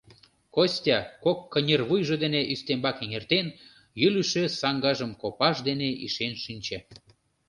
Костя кок кынервуйжо дене ӱстембак эҥертен, йӱлышӧ саҥгажым копаж дене ишен шинче.